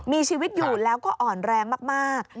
มีชีวิตอยู่แล้วก็อ่อนแรงมาก